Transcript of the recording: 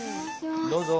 どうぞ。